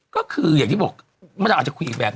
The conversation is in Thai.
ก็คืออย่างที่บอกมะดำอาจจะคุยอีกแบบ